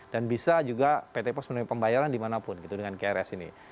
dan bisa juga pt post membayar di mana pun dengan krs ini